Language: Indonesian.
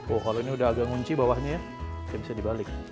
oh kalau ini udah agak ngunci bawahnya ya bisa dibalik